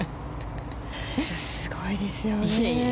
すごいですよね。